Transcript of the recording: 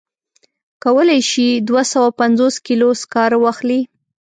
کولای شي دوه سوه پنځوس کیلو سکاره واخلي.